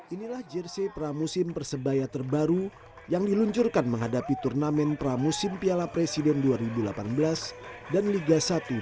inilah jersi pramusim persebaya terbaru yang diluncurkan menghadapi turnamen pramusim piala presiden dua ribu delapan belas dan liga satu dua ribu delapan belas